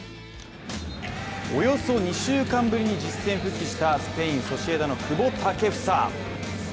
およそ２週間ぶりに実戦復帰したスペイン・ソシエダの久保建英。